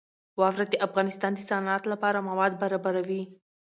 واوره د افغانستان د صنعت لپاره مواد برابروي.